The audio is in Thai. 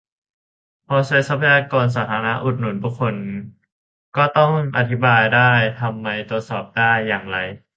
พอใช้ทรัพยากรสาธารณะอุดหนุนบุคคล ก็ต้องอธิบายได้-ทำไม ตรวจสอบได้-อย่างไร